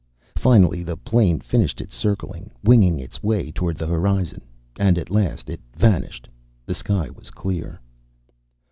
Finally the plane finished its circling, winging its way toward the horizon. At last it vanished. The sky was clear.